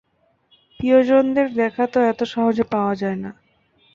প্রিয়জনদের দেখা তো এত সহজে পাওয়া যায় না।